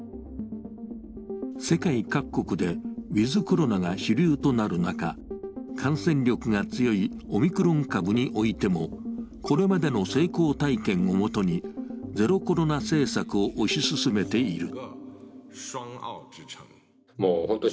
世界各国でウィズ・コロナが主流となる中感染力が強いオミクロン株においてもこれまでの成功体験をもとにゼロコロナ政策を推し進めている。